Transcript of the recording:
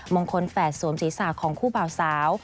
มงคลแฝดสวมศีรษะของคู่บ่าวสาว